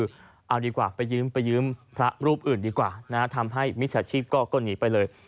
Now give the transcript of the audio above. เอาดีกว่าไปยืมพระรูปอื่นดีกว่านะฮะทำให้มิจฉาชีพก็หนีไปเลย